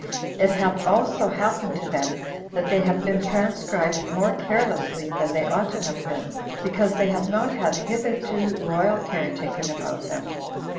It hath also happened to them, that they have been transcribed more carelessly than they ought to have been, because they have not had hitherto royal care taken about them.